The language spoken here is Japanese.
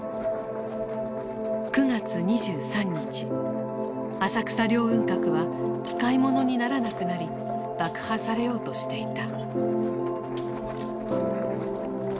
９月２３日浅草凌雲閣は使い物にならなくなり爆破されようとしていた。